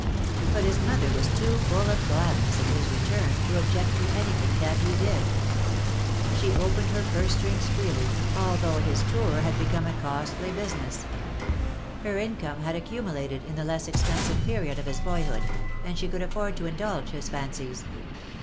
But his mother was too full of gladness at 67 his return to object to anything that he did. She opened her purse strings freely,, although his tour had been a costly business. Her income had accumulated in the less expensive period of his boy hood, and she could afford to indulge his fancies.